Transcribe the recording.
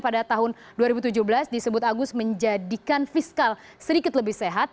pada tahun dua ribu tujuh belas disebut agus menjadikan fiskal sedikit lebih sehat